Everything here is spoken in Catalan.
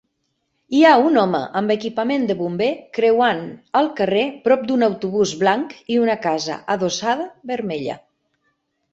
Hi ha un home amb equipament de bomber creuant el carrer prop d'un autobús blanc i una casa adossada vermella.